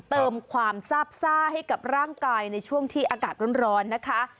เติมความซาบซ่าให้กับร่างกายในช่วงที่อากาศร้อนนะคะ